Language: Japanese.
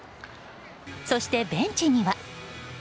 そして、ベンチには。